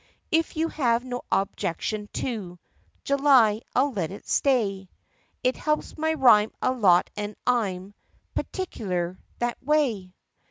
(If you have no objection to July I 'll let it stay. It helps my rhyme a lot and I 'm Particular that way.)